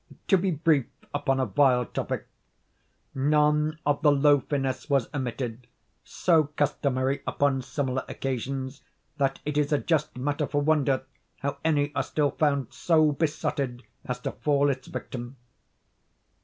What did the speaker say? To be brief upon a vile topic, none of the low finesse was omitted, so customary upon similar occasions that it is a just matter for wonder how any are still found so besotted as to fall its victim.